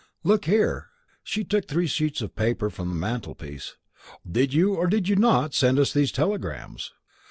Look here!" She took three sheets of paper from the mantelpiece. "Did you or did you not send us those telegrams?"